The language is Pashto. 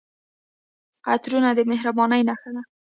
عطرونه د مهربانۍ نښه ده.